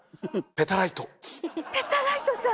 ペタライトさん！